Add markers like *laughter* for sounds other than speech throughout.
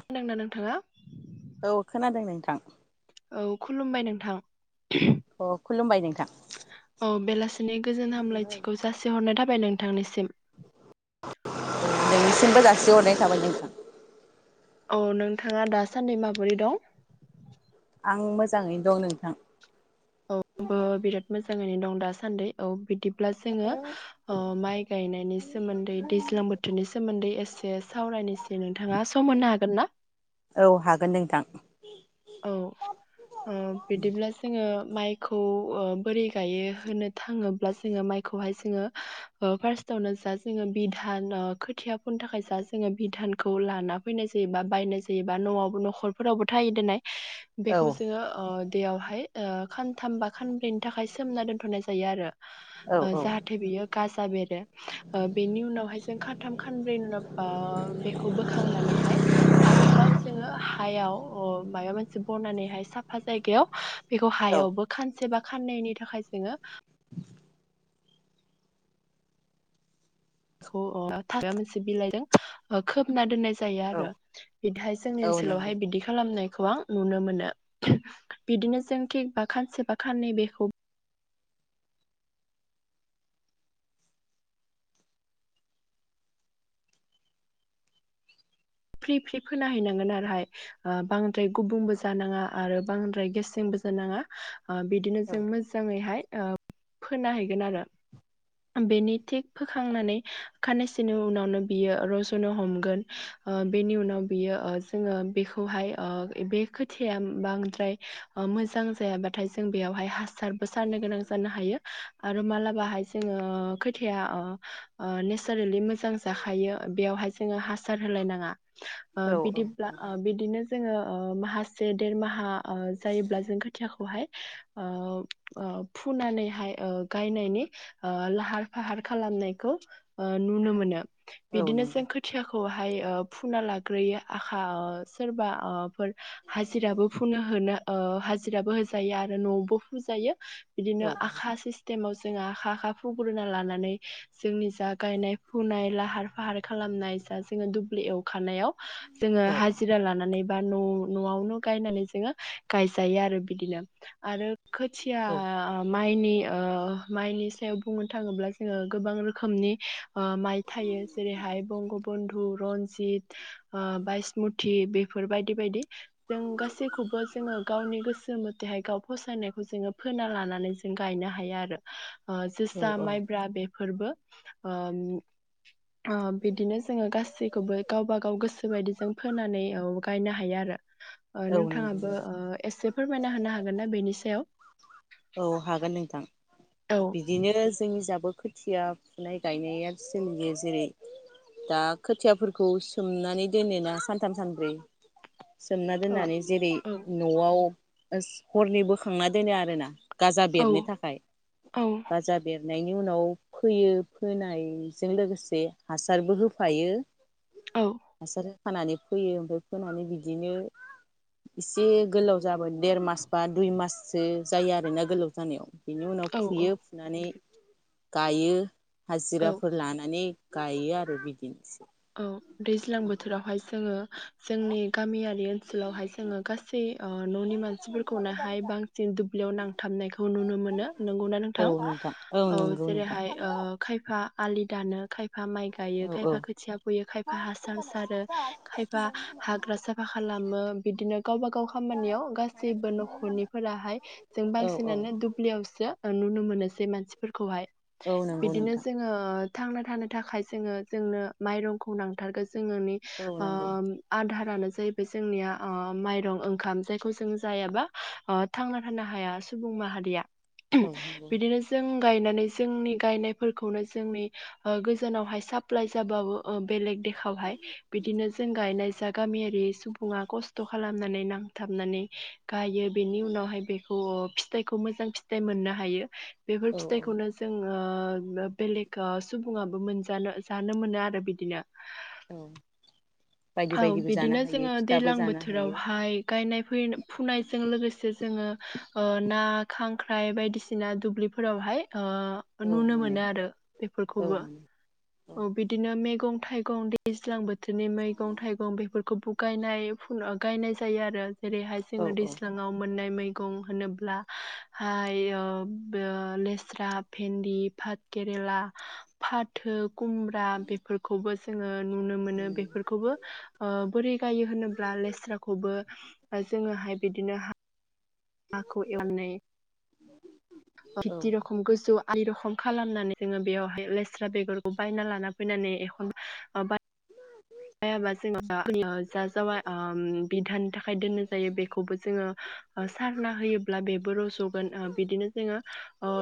*unintelligible* नोंथाङा- औ खोनादों नोंथां। औ खुलुमबाय नोंथां। *unintelligible* अ खुलुमबाय नोंथां औ बेलासिनि गोजोन हामलायथिखौ जासिहरनाय थाबाय नोंथांनिसिम नोंनिसिमबो जासिहरनाय थाबाय नोंथां। औ नोंथाङा दासान्दै माबोरै दं। आं मोजाङैनो दं नोंथां। औ आंबो बिराद मोजाङैनो। दं दासान्दि औ बि। बिदिब्ला जोङो ओ माइ गायनायनि सोमोन्दै दैज्लां बोथोरनि सोमोन्दै एसे सावरायनोसै नोंथाङा सम होनो हागोन ना? औ हागोन नोंथां औ ओ बिदिब्ला जोङो ओ माइखौ ओ बोरै गायै होनो थाङोब्ला जोङो माइखौहाय जोङो ओ फार्स्टआवनो जा जोङो बिधान खोथिया फोनो थाखाय जा जोङो बिधानखौ लाना फैनाय जायो बा बायनाय जायोबा नआवबो नखरफोरावबो थायो दोननाय। औ बेखौ जोङो ओ दैयावहाय। ओ खानथाम बा खानब्रैनि थाखाय सोमना दोनथनाय जायो आरो औ औ जाहाथे बेयो गाजा जा बेरो ओ बेनि उनावहाय जों खानथाम खानब्रै उनाव ओ बेखौ बोखांनानैहाय आरोबाव जोङो हायाव अ मायबा मोनसे बनानैहाय साफा जायगायाव बेखौ औ हायावबो खानसे बा खाननैनि थाखाय जोङो खौ ओ माबा मोनसे बिलाइजों खोबना दोननाय जायो औ आरो बिदिहाय जोंनि औ नंगौ ओनसोलावहाय बिदि खालामनाय आं नुनो मोनो बिदिनो जों थिक बा खानसे बा खाननै बेखौ फ्रि फ्रि फोना हैैनांगोन आरोहाय बांद्राय गुबुंबो जानाङा आरो बांद्राय गेसेंबो जानाङा ओ बिदिनो औ जों मोजाङैहाय ओ फोना हैगोन आरो बेनि थिक फोखांनानै खानैसोनि उनावनो बियो रज नो हमगोन बेनि उनाव बियो जोङो बेखौहाय ओ बे खोथिया बांद्राय मोजां जायाबाथाय जों बेयावहाय हासारबो सारनो गोनां जानो हायो आरो माला बाहाय जोंङो खोथिया ओ नेचारेलि मोजां जाखायो बेयावहाय जोंङो हासार होलायनाङा ओ औ बिदिब्ला ओ बिदिनो जोङो ओ माहासे ओ देरमाहा ओ जायोब्ला जों खोथियाखौहाय ओ ओ फुनानैहाय ओ गायनायनि ओ लाहार फाहार खालामनायखौ ओ नुनो मोनो औ औ बिदिनो नंगौ जों खोथिया हाय फुना लाग्रोयो आखा ओ सोरबा ओ फोर हाजिराबो फुनो होनोओ हाजिराबो होजायो आरो नआवबो फुजायो औ बिदिनो आखा सिस टाइमाव जोंहा आखा आखा फुग्रोना लानानै जोंनि जा गायनाय फुनाइ लाहार फाहार खालामनाय जाजोब जोङो दुब्लि एव खानायाव जोङो औ हाजिरा लानानै बा न न आवनो गायनानै जोङो गायजायो आरो बिदिनो आरो खोथिया औ ओ माइनि ओ माइनि सायाव बुंनो थाङोब्ला जोङो गोबां रोखोमनि माइ थायो जेरैहाय बंग रन्जित बायसमुति बेफोर बेफोर बायदि बायदि जों गासैखौबो जोङो गावनि गोसो मथेहाय गाव फसायनायखौ जोङो फोना लानानै जों गायनो हायो आरो। ओ औ जोसा माइब्रा बेफोरबो ओम ओ बिदिनो गासैखौबो गावबा गाव गोसो बायदि जों फोनानै औ गायनो हायो आरो। ओ औ नंगौ नोंथाङाबो नोंथां ओ एसे फोरमायना होनो हागोन ना बेनि सायाव? औ हागोन नोंथां। औ बिदिनो जोंनि इजाबो खोथिया फुनाय गायनाया सोलियो जेरै दा खोथियाफोरखौ सोमनानै दोनोना सानथाम सानब्रै सोमना औ दोननानै जेरै औ न'आव हरनै बोखांना दोनो आरो ना। गाजा औ बेरनो थाखाय औ गाजा बेर नायनि उनाव फोयो फोनायजों लोगोसे हासारबो होफायो। औ हासार खानानै फोयो ओमफ्राय फोनानै बिदिनो एसे गोलाव जाबो देर मास बा दुइ माससो जायो आरो। *unintelligible* गोलाव जानायाव बिनि उनाव औ फुयो फुनानै गायो। औ हाजिराफोर लानानै गायो आरो बिदिनोसै। *unintelligible* दैज्लां बोथोरावहाय जोङो जोंनि गामियारि ओन ओनसोलावहाय जोङो गासै ओ न'नि मानसिफोरखौनोहाय बांसिन दुब्लियाव नांथाबनायखौ नुनो मोनो नंगौना औ नोंथां? औ नंगौ नोंथां जेरैहाय ओ खायफा आलि दानो खायफा खायफा माइ गायो औ औ खायफा खोथिया फोयो खायफा हासार सारो खायफा हाग्रा साफा खालामो बिदिनो गावबा गाव खामानियाव गासैबो न'खरनिफोराहाय जों औ औ बांसिनानो दुब्लियावसो नुनो मोनोसै मानसिफोरखौहाय औ नंगौ बिदिनो नोंथां जोङो थांना थानो थाखाय जोङो जोंनो माइरंखौ नांथारगो जों न'नि औ नंगौ ओम आधारानो जाहैबाय जोंनिया ओ माइरं ओंखाम जायखौ जों जायाबा थांना थानो हाया सुबुं माहारिया। औ नंगौ बिदिनो जों गायनानै जोंनि गायनायफोरखौनो जोंनि ओ गोजानावहाय साप्लाय जाबावो अ बेलेग देखआवहाय बिदिनो जों गायनाय जा गामि ए बे सुबुंआ खस्थ' खालाम नानै नांथाबनानै गायो बेनि उनावहाय बेखौ ओ फिथाइखौ मोजां फिथाइ मोननो हायो बेफोर औ औ फिथाइखौनो जोङो ओ बेलेगा सुबुङाबो मोनजानो जानो मोनो आरो बिदि दिनो औ बायदि औ बायदिबो जानो बिदिनो हायो जोङो फिथाबो दैलां जानो हायो बोथोरावहाय गायनाय फै फुनायजों लोगोसे जोङो ओ ना खांख्राइ बायदिसिना दुब्लिफोरावहाय ओ नुनो मोनो आरो औ बेफोरखौबो मोनो औ बिदिनो मेगं थाइ गं दैज्लां बोथोरनि मै गं थाइगं बेफोरखौ बुगायनाय फुना गायनाय जायो आरो जेरैहाय औ जोङो दैज्लाङाव मोननाय मै गं होनोब्ला हाय ओ बो लेस्रा, भेन्दि, भाद केेरेला, फाथो कुमब्रा बेफोरखौबो जोङो नुनो मोनो बे खौबो बोरै गायो होनोब्ला लेस्राखौबो जोङोहाय बिदिनो हा हाखौ एवनानै औ *unintelligible* रखम गोजौ आलि रखम खालामनानै जोङो बेयावहाय लेस्रा बेगरखौ बायना लाना फैनानै एखन ओ बाय हायाबा जोङो *unintelligible* जा जावा ओ बिधाननि थाखाय दोननाय जायो बेखौबो जोङो सारना होयोब्ला बेबो रज'गोन ओ बिदिनो जोङो ओ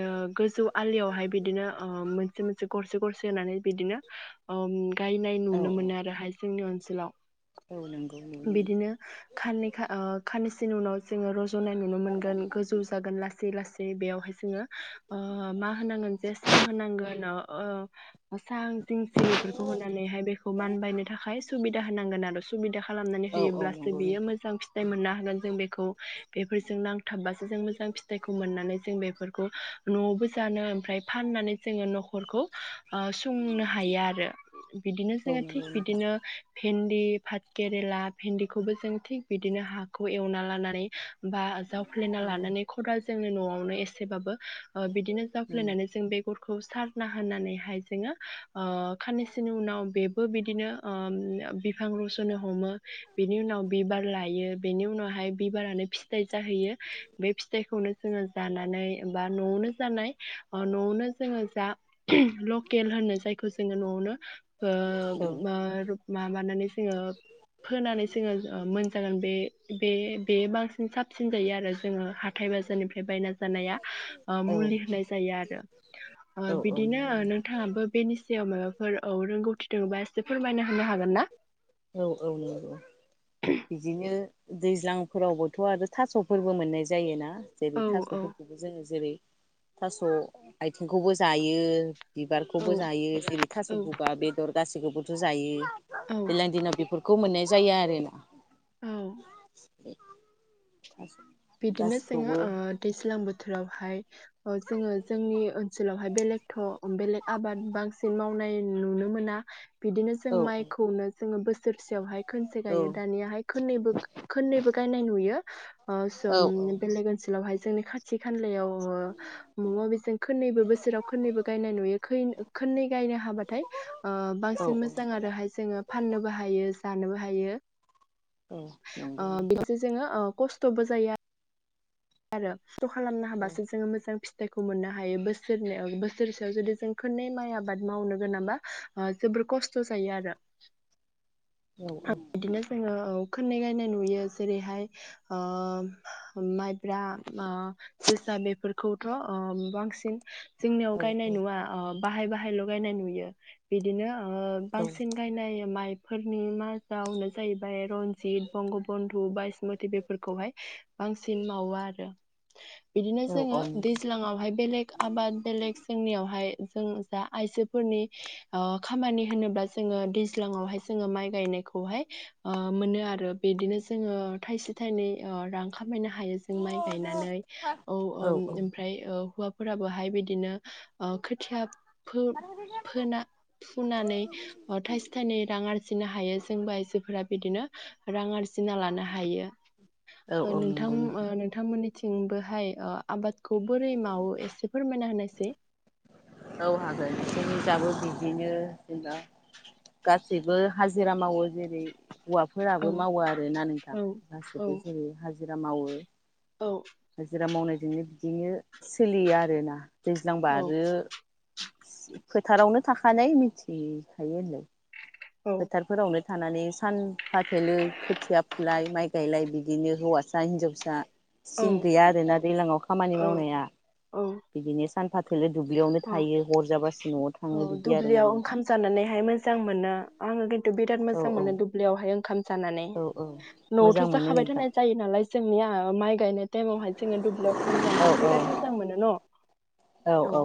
ओ गोजौ आलियावहाय बिदिनो ओ मोनसे मोनसे गरसे गरसे होनानै बिदिनो ओम गायनाय औ नुनो मोनो आरो हायजें नि ओनसोलाव औ नंगौ नुनो मोनो बिदिनो खाननै खा ओ खानैसोनि उनाव जोङो रज'नाय नुनो मोनगोन गोजौ जागोन लासै लासै बे बेयावहाय जोङो ओ मा होनांगोन जे सां होनांगोन ओ ओ अ सां जिंसि बेफोरखौ होनानैहाय बे खौ मानबायनो थाखाय सुबिदा होनांगोन आरो सुबिदा खालामनानै औ औ होयोब्लासो नंगौ बियो नोंथां मोजां फिथाइ मोननो होगोन जों बेखौ बेफोरजों नांथाबबासो जों मोजां फिथाइखौ मोननानै जों बेफोरखौ नआवबो जानो ओमफ्राय फाननानै जोङो नखरखौ संनो हायो आरो बिदिनो औ जोङो थिग नंगौ नोंथां बिदिनो भिन्दि भाथ केेरेला भिन्दिखौबो जों थिग बिदिनो हाखौ एवना लानानै बा जावफ्लेना लानानै खदाल जोंनि नआवनो एसेबाबो बिदिनो जावफ्लेनानै जों बे गरखौ सारना होनानैहाय जोङो खाननैसोनि उनाव बे बो बिदिनो बिफां रसनो हमो बिनि उनाव बिबार लायो बेनि उनावहाय बिबारानो फिथाय जाहैयो बे फिथाइखौनो जोङो जानानै बा नआवनो जानाय नआवनो जोङो जा लकेल होनो जायखौ जोङो नआवनो ओ औ *unintelligible* मा मानानै ओ फोनानै जोङो मोनजागोन बे-बे-बे बांसिन साबसिन यो आरो जोङो हा हाथाइ बाजारनिफ्राय बायना जानाया ओ औ मुलि होनाय जायो आरो ओ औ नंगौ बिदिनो नोंथां नोंथाङाबो बेनि सायाव माबाफोर रोंगौथि दङोबा फोरमायना होनो हागोन ना? औ औ औ औ बिदिनो दैज्लांफोरावबोथ आरो थासफोरबो मोननाय जायोना जेरै औ औ थासफोरखौबो जोङो जेरै थास आथिंखौबो जायो बिबारखौबो औ जायो जेरै थास औ गगा बेदर गासैखौबोथ जायो औ दैज्लां दिनाव बेफोरखौ मोननाय जाया आरोना औ बे *unintelligible* बिदिनो जोङो ओ दैज्लां बोथ थोरावहाय जोङो जोंनि ओनसोलावहाय बेलेगथ बेलेग आबाद बांसिन मावनाय नुनो मोना बिदिनो जों औ माइखौनो जोङो बोसोरसेयावहाय खनसे औ गायो दानियााहाय खनैबो खननैबो गायनाय नुयो ओ औ ओम बेलेग ओनसोलाव हाय जोंनि खाथि खानलायाव वो मबेजों खोननैबो बोसोराव खोननैबो गायनाय नुयो खैन-खोननै गायनो हाबाथाय ओ औ बांसिन मोजां आरोहाय जोङो फाननोबो हायो जानोबो हायो हायो। औ ओ नंगौ बेनोसै जोङो ओ खस्थबो जायो आ रो खस्थ' खालामनो औ हाबासो मोजां फि थाइखौ मोननो हायो बोसोरनै बोसोरसेयाव जुदि जों खोननै माइ आबाद मावनो गोनांबा जोबोर खस्थ जायो आरो औ बिदिनो जोङो खोननै गायनाय नुयो जेरैहाय ओ माइब्रा ओ जोसा बेफोरखौथ ओ बांसिन जोंनियाव औ गायनाय नुवा अ बाहाय बाहाय ल गायनाय नुयो बिदिनो ओ बांसिन गायनाय माइ फोरनि मा दावनो जायो बाय रनजित, बंगबन्दु बायसमथि बेफोरखौहाय बांसिन मावो आरो बिदिनो जोङो दैल्जां आवहाय बेेलेग आबाद बेेलेग जोंनियावहाय जों जा आइजोफोरनि ओ खामानि होनोब्ला जोङो दैज्लाङावहाय जोङो माइ गायनायखौ खौहाय ओ मोनो आरो बिदिनो जोङो थाइसे थाइनै ओ रां खामायनो हायो जों माइ गायनानै औ ओम ओमफ्राय हौ फोराबोहाय बिदिनो ओ खोथिया फो-फोना-फुनानै अ थाइसे थाइनै रां आरजि जिनो हायो। जोंबो आइजोफोरा बिदिनो रां आरजिना लानो हायो। औ ओ औ नोंथां नंगौ ओ‌नोंथांमोननि थिंबोहाय ओ आबाद खौ बोरै मावो एसे फोरमायना होनायसै? औ हागोन। जोंनि दाबो बिदिनो जेनेबा गा सिबो हाजिरा मावो जेरै औ हौवाफोराबो मावो आरो ना नोंथां औ औ गासिबो जेरै हाजो हाजिरा मावो। औ हाजिरा मावनायजोंनो बिदिनो सोलियो आरोना दैज्लांबा औ आरो *unintelligible* फोथारावनो थाखानाय मिथिखायो होनलाय। फोथारफोरावनो थानानै सान फाथोलो खोथिया फुलाय माइ गायलाय बिदिनो हौवासा हिनजावसा औ सिन गैया आरोना दैलाङाव खामानि औ मावनाया औ बिदिनो सानफा थोलो दुब्लियावनो थायो हरजाबासो औ दुब्लियाव ओंखाम जानानैहाय मोजां मोना आंङो किन बिराद औ मोजां औ मोनो दुब्लियावहाय ओंखाम जानानै औ औ न'आवथ मोजां मोनो जाखाबाय नोंथां थानाय जायो नालाय जोंनिया माइ गायनाय टाइमावहाय जोंङो दुब्लियाव ओंखाम औ जानानै औ बिराद मोजां मोनो न औ।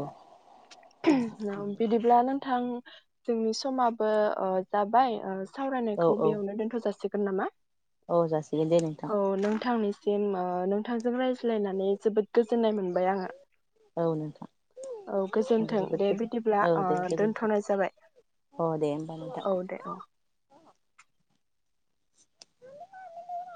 *unintelligible* बिदिब्लानो थां जोंनि समाबो ओ जाबाय ओ औ सावरायनायखौ औ बेयावनो दोन्थ जासि गोन नामा औ जासिगोन दे नोंथां। दे होनबा नोंथांजों रायज्लायनानै जोबोद गोजोननाय मोनबाय आंहा औ नोंथां औ आंबो गोजोनथों जोबोद दे बि गोजोन बिदिब्ला औ ओ दे गोजोनथों दोन्थनाय जाबाय अ दे होमबा नोंथां औ दे औ। *unintelligible*